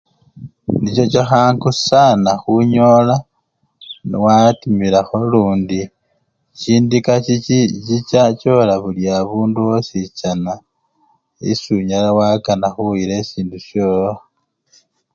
Nicho chakhangu sana khunyola nowatimilakho lundi, chindika chichi! chicha chola buliabundu osichana esi onyala wakana khuyila esindu syowo.